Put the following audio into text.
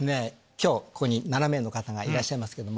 今日ここに７名の方がいらっしゃいますけども。